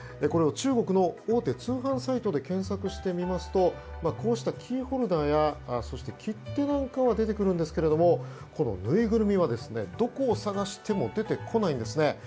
これを中国の大手通販サイトで検索してみますとこうしたキーホルダーや切手は出てくるんですがぬいぐるみは、どこを探しても出てこないんですね。